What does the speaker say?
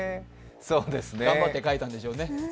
頑張って書いたんでしょうね。